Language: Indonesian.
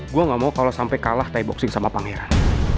gue ga mau kalo sampe kalah thai boxing sama pangeran